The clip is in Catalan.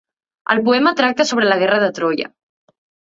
El poema tracta sobre la guerra de Troia.